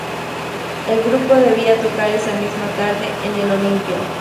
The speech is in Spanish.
El grupo debía tocar esa misma tarde en el Olympia.